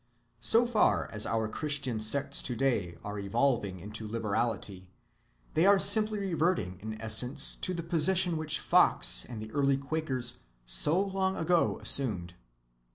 So far as our Christian sects to‐day are evolving into liberality, they are simply reverting in essence to the position which Fox and the early Quakers so long ago assumed.